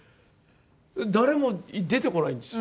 誰も出てこないんです。